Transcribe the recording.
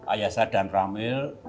ayah saya dan ramil